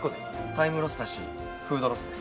タイムロスだしフードロスです。